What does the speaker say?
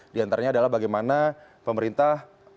di antaranya adalah bagaimana pemerintah